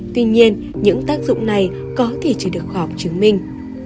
tuy nhiên những tác dụng này có thể chỉ được học chứng minh